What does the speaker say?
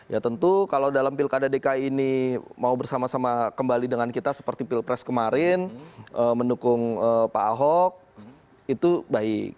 ya tentu kalau dalam pilkada dki ini mau bersama sama kembali dengan kita seperti pilpres kemarin mendukung pak ahok itu baik